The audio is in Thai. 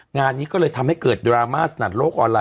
งานนี้ก็เลยทำให้เกิดดราม่าสนัดโลกออนไล